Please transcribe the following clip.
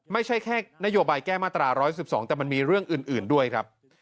ไม่ใช่แค่นโยบายแก้มาตรา๑๑๒แต่มันมีเรื่องอื่นด้วยครับ